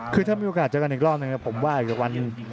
คือถ้ามีโอกาสเจอกันอีกรอบนึงนะครับผมว่าอีกวัน